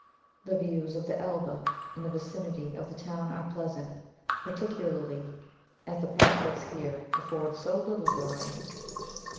The views of the Elbe in the vicinity of the town are pleasant, particularly as the prospects here afford so little variety.